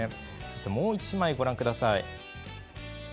もう１枚ご覧ください。